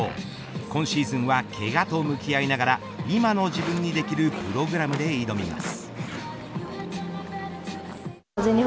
今シーズンはけがと向き合いながら今の自分にできるプログラムで挑みます。